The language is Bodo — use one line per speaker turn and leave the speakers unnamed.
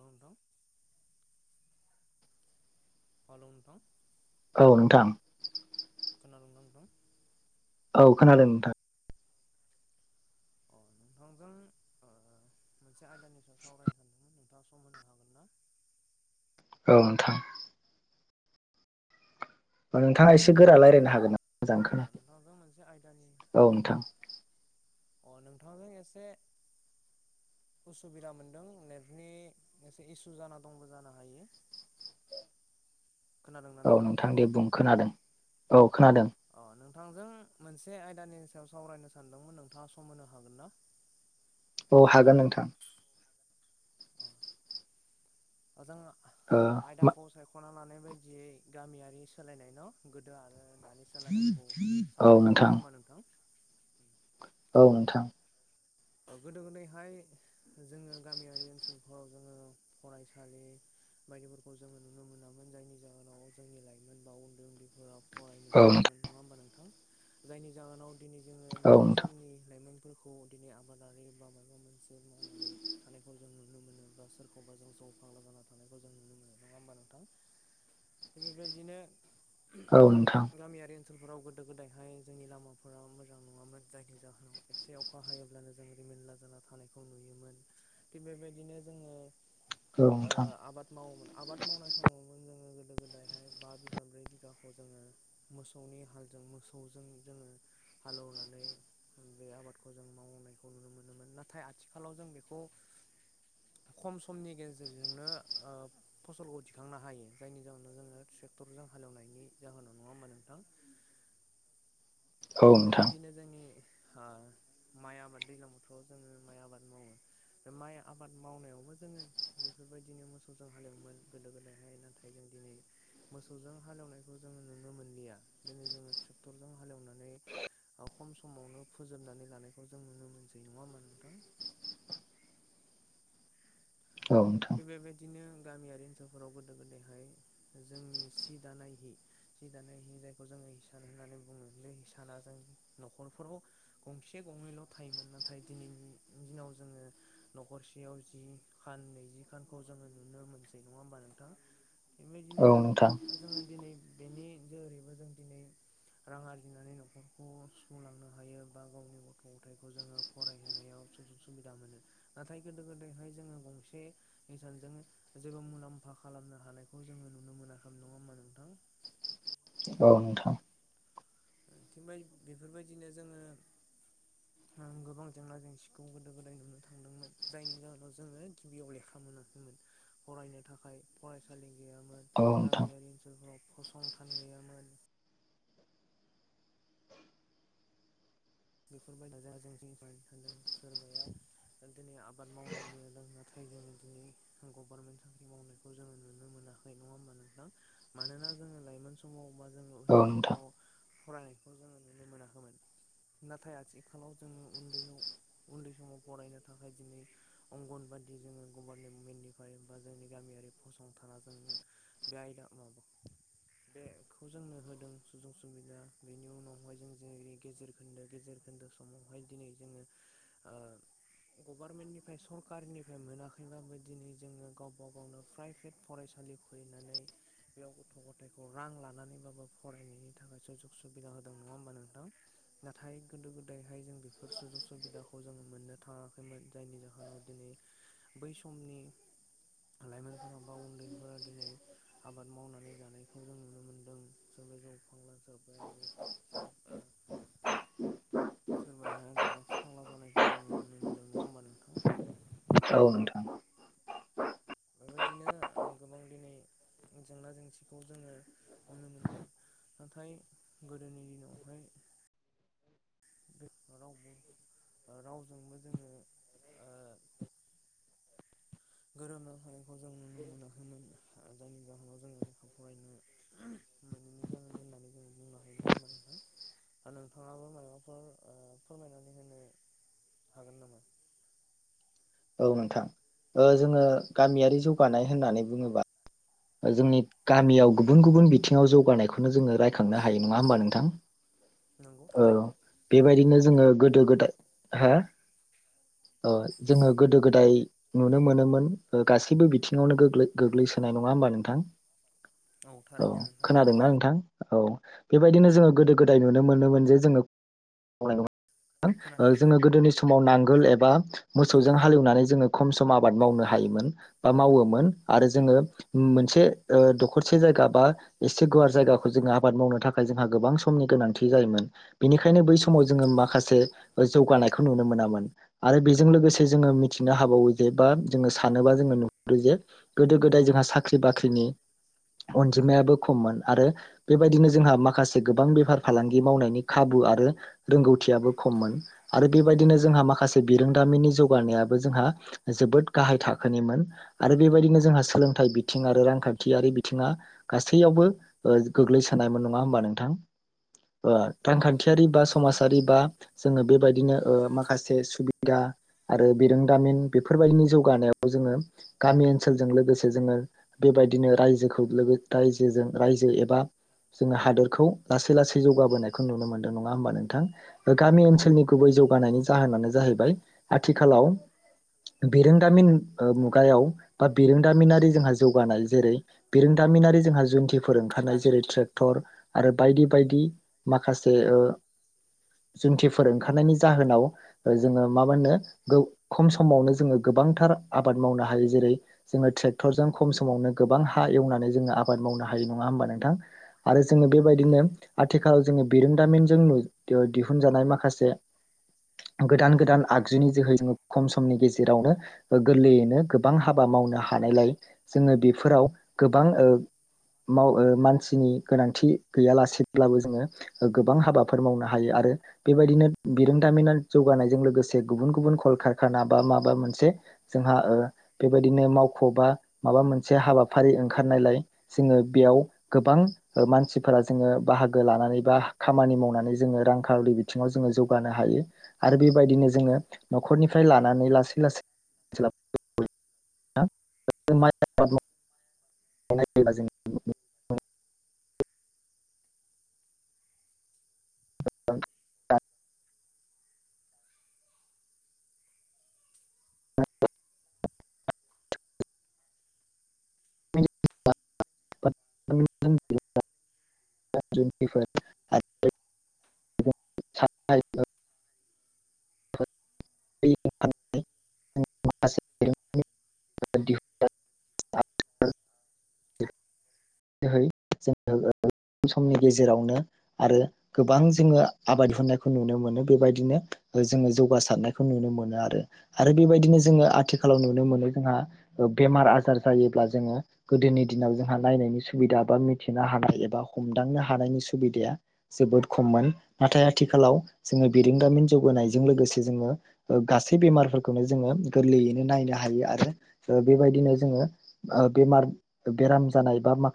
ओ नोंथां हालौ नोंथां
औ नोंथां
खोनादों ना नोंथां
औ खोनादों नोंथां
अ नोंथांजों ओ मोनसे आयदानि सायाव सावरायनो सानदोंमोन नोंथांआ सम होनो हागोन ना
औ नोंथां नों थाङा एसे गोरा
खोनादों
रायलायनो हागोन
नोंथां
ना मोजां
अ
खोनायाखै
नोंथांजों मोनसे आयदानि
औ नोंथां
अ नोंथांजों एसे उसुबिदा मोनदों नेटनि एसे इसु जाना दंबो जानो हायो [inaudible]
औ नोंथां दे बुं खोनादों औ खोनादों
अ नोंथांजों मोनसे आयदानि सायाव सावरायनो सानदोंमोन नोंथाङा सम होनो हागोन ना?
औ हागोन नोंथां।
जों
ओ मा
आयदाखौ सायख'ना लानाय जे गामियारि सोलायनाय ना गोदो आरो दानिसो लायनायखौ
औ
सावरायनोसै
नोंथां
नङा होमबा नोंथां?
औ नोंथां।
गोदो गोदायहाय जोङो गामियारि ओनसोलफोराव जोङो फरायसालि बायदिफोरखौ जोङो नुनो मोनोमोन जायनि जाहोनाव जोंनि लाइमोन बा उनदै उनदैफोरा
औ नोंथां।
जायनि जाहोनाव दिनै जोङो बै
नोंथां
समनि लाइमोनफोरखौ दिनै आबादारि माबा मोनसे मावनानै थानायखौ जों नुनो मोनो बा सोरखौबा जों जौ फाग्ला जाना थानायखौ जों नुनो मोनो। नङा होबा नोंथां बेबायदिनो
औ नोंथां औ
गामि
नोंथां
गामियारि ओनसोल ओनसोलफोराव गोदो गोदायहाय जोंनि लामाफोरा मोजां नङामोन जायनि जाहोनाव एबसे अखा हायो [unintelligible] जों रिमोनला जाना थानायखौ नुयोमोन थिग बेबायदिनो जोङो ओ आबाद मावोमोन आबाद मावनाय समाव जोङो गोदायहाय बा बिघा ब्रै बिघाखौ जोङो मोसौनि हालजों मोसौजों जोङो हालेवनानै बे आबादखौ जों मावनायखौ नुनो मोनोमोन नाथाय आथिखालाव जों बेखौ खम समनि गेजेरजोंनो ओ फसलखौ दिखांनो हायो जायनि जाहोनाव जोङो ट्रेक्टरजों हालेवनायनि जाहोनाव नङा होमा नोंथां
औ नोंथां औ नोंथां औ
थिग
नोंथां
बेबायदिनो जोंनि ओ माइ आबाद दैज्लां बोथोराव जोङो माइ आबाद मावो। माइ आबाद मावनायावबो जोङो बेफोरबायदिनो मोसौजों हालेवयोमोन गोदो गोदायहाय नाथाय जों दिनै मोसौजों हालेवनायखौ जोङो नुनो मोनलिया दिनै जोङो ट्रेक्टरजों हालेवनानै ओ खम समावनो फोजोबनानै लानायखौ जों नुनो मोनसै नङा होनबा नोंथां? [inaudible]
औ नोंथां औ नोंथां औ नोंथां औ नोंथां औ नोंथां
थिग बेबायदिनो गामियारि ओनसोलफोराव गोदो गोदायहाय जोंनि सि दानाय हि जि दानाय हि जायखौ जोङो हिसान होननानै बुङो बे हिसाना जों न'खरावफोराव गंसे गंनैल' थायोमोन नाथाय दिनैनि दिनाव जोङो न'खरसेयाव जि खान नैजि खानखौ जोङो नुनो मोनसै नङा होमबा नोंथां बेबायदिनो जोङो दिनै बेनि जोरैबो जों दिनै रां आरजिनानै न'खरखौ सुफुंलांनो हायो बा गावनि गथ' गथायखौ जोङो फरायहोनायाव सुजुग सुबिदा मोनो नाथाय गोदो गोदायहाय जोङो गंसे इसानजों जेबो मुलाम्फा खालामनो [inaudible]
औ नोंथां।
[unintelligible] बेफोरबायदिनो जोङो उम गोबां जेंना जेंसिखौ गोदो गोदाय नुनो थांदोंमोन जायनि जाहोनाव जोङो गिबियाव लेखामोन मोनाखैमोन फरायनो थाखाय फरायसालि गैयामोन गामियारि ओनसोलफोराव फसंथान गैयामोन। बेफोर [unintelligible] [unintelligible] सोरबाया दिनै आबाद मावनानैनो जों नाथाय जोङो दिनै गभार्मेन्ट साख्रि मावनायखौ जोङो नुनो मोनो। [unintelligible] नङा हा नोंथां मानोना जोङो लाइमोन समाव बा जोङो उनदै समाव फरायनायखौ जोङो नुनो मोनाखैमोन। नाथाय आथिखालाव जोङो उनदैयाव उनदै समाव फरायनो थाखाय दिनै अंगनबादि जोङो गभर्नेन्मेटनिफ्राय बा जोंनि गामियारि फसंथाना जोंनो बे आयदा माबाखौ बे खौ जोंनो होदों सुजु सुबिदा बेनि उनावहाय जों जोंनि गेजेर खोन्दो गेजेर खोन्दो समावहाय दिनै जोङो ओ गभार्नमेन्टनिफ्राय सरकारिनिफ्राय मोनाखैब्लाबो दिनै जोङो गावबा गावनो प्राइभेट फरायसा- [inaudible] [inaudible] [inaudible] [inaudible] [inaudible] आबाद मावनानै जानायखौ जों नुनो मोन्दों सोरबाया जौ फाग्ला सोरबाया [inaudible] [inaudible] [inaudible] [inaudible] [inaudible] [inaudible] [inaudible] [inaudible] [inaudible] [inaudible]
औ नोंथां दा जोङो गामियारि जौगानाय होननानै बुङोबा जोंनि गामियाव गुबुन गुबुन बिथिङाव जौगानायखौनो जोङो रायखांनो हायो नङा होमबा नोंथां
नंगौ
औ
थारैनो
बेबायदिनो जोङो गोदो गोदाय हा
[unintelligible]
ओ जोङो गोदो गोदाय नुनो मोनोमोन गासैबो बिथिङावनो गोग्लै-गोग्लैसोनायमोन नङा होमबा नोंथां औ
थारैनो नोंथां
खोनादोंना नोंथां औ बेबायदिनो जोङो गोदो गोदाय नुनो मोनोमोन जे जोङो अ
खोनादों
जोङो
खोनादों
गोदोनि सम माव नांगोल एबा मोसौजों हालएवनानै जोङो खम सम आबाद मावनो हायोमोन बा मावोमोन आरो जोङो मोनसे ओ दखरसे जायगा बा एसे गुवार जायगाखौ जोङो आबाद मावनो था- खाय जोंहा गोबां समनि गोनांथि जायोमोन बेनिखायनो बै समाव जोङो माखासे जौगानायखौ नुनो मो- नामोन आरो बेजों लोगोसे जोङो मिथिनो हाबावो जे बा जोङो सानोबा जोङो नुहुरो जे गोदो गोदाय जोंहा साख्रि बाख्रिनि अनजिमायाबो खममोन आरो बेबायदिनो जोंहा माखासे गोबां बेफार फालांगि मावनायनि खाबु आरो रोंगौथियाबो खममोन आरो बेबायदिनो जोंहा माखासे बिरोंदामिनि जौगानायाबो जोंहा जोबोद गाहाय थाखोनिमोन आरो बेबायदिनो जोंहा सोलोंथाइ बि- थिं आरो रांखान्थियारि बिथिङा गासैयावबो गोग्लैसोनायमोन नङा होमबा नोंथां रांखान्थियारि बा
औ नोंथां
समाजारि बा
थारैनो
जोङो बेबायदिनो ओ माखासे सुबिदा आरो बिरोंदामिन बेफोरबायदिनि जौगानायाव जोङो गामि ओनसोलजों लोगोसे जोङो बेबायदिनो रायजोखौ लोगो रायजोजों रायजो एबा जोङो हादोरखौ लासै लासै जौगाबोनायखौ नुनो मोनदों नङा होमबा नोंथां गामि ओनसोल नि गुबै
नंगौ
जौगानायनि
थारैनो
जाहोनानो जाहैबाय थिखालाव बिरोंदामिन ओ मुगायाव बा बिरोंदामिनारि जोंहा जौगानाय जेरै बिरोंदामिनारि जोंहा जुन्थिफोर ओंखारनाय जेरै ट्रेक्टर आरो बायदि बायदि माखासे ओ जुनथिफोर ओंखारनायनि जाहोनाव जोङो मा मोन नो खम समावनो जोङो गोबांथार आबाद मावनो हायो जेरै जोङो ट्रेक्टरजों खम समावनो गोबां हा एवनानै जोङो आबाद मावनो हायो नङा हबा नोंथां आरो जोङो बेबायदिनो
थारैनो
आथिखालाव जोङो बिरोंदामिनजों दिहुनजानाय माखासे गोदान गोदान आगजुनि जोहै जोङो खम समनि गेजेरावनो गोरलैयैनो गोबां हाबा मावनो हानायलाय जोङो बेफोराव गोबां ओ माव ओ मानसिनि गोनांथि गैयालासेब्लाबो जोङो गोबां हाबाफोर मावनो हायो आरो। आरो बेबायदिनो बिरोंदामिना जौगानायजों लोगोसे गुबुन गुबुन कल खारखाना बा माबा मोनसे जोंहा ओ बेबायदिनो मावख बा माबा मोनसे हाबाफारि ओंखारनायलाय जोङो बेयाव गोबां मानसिफोरा जोङो बाहागो लानानै बा खामानि मावनानै जोङो रांखावरि बिथिङाव जोङो जौगानो हायो आरो बेबायदिनो ज जोङो नखरनिफ्राय लानानै लासै लासै [unintelligible] माइ आबाद [unintelligible] [unintelligible] [unintelligible] [unintelligible] [unintelligible] माखासे [unintelligible] [unintelligible]
[inaudible]
है जोङो ओ समनि गेजेरावनो आरो गोबां जोङो आबाद दिहुनायखौ नुनो मोनो बेबायदिनो जोङो जौगासारनायखौ नुनो मोनो आरो आरो बेबायदिनो जोङो आथिखालाव नुनो मोनो जोंहा बेमार आजार जायोब्ला जोङो गोदोनि दिनाव जोंहा नायनायनि सुबिदा बा मिथिनो हानाय एबा हमदांनो हानायनि सुबिदाया जोबोद खममोन नाथाय आथिखाल खालाव जोङो बिरंगामिन जौगानायजों लोगोसे जोङो गासै बेमारफोरखौनो जोङो गोरलैयै नायनो हायो आरो बेबायदिनो जोङो ओ बेमार बेराम जानाय बा माखा